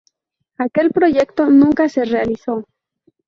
Aquel proyecto nunca se realizó.